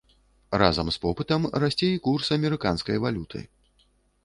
Разам з попытам расце і курс амерыканскай валюты.